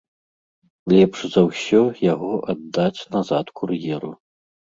Лепш за ўсё яго аддаць назад кур'еру.